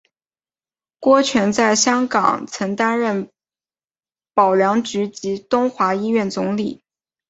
郭泉在香港曾任保良局及东华医院总理。